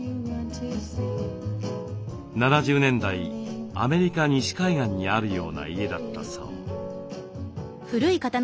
７０年代アメリカ西海岸にあるような家だったそう。